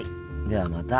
ではまた。